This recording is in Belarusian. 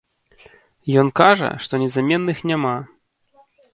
Ён кажа, што незаменных няма.